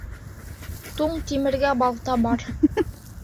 Туң тимергә балта бар.